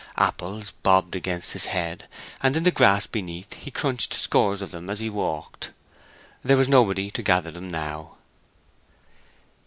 Apples bobbed against his head, and in the grass beneath he crunched scores of them as he walked. There was nobody to gather them now.